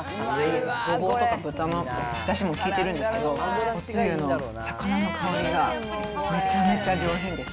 ごぼうとか豚のだしも効いてるんですけど、おつゆの魚の香りがめちゃめちゃ上品です。